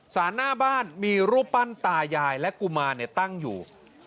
หน้าบ้านมีรูปปั้นตายายและกุมารตั้งอยู่